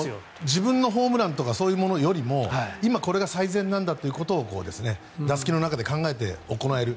自分のホームランとかそういうものよりも今これが最善だと打席の中で考えて行える。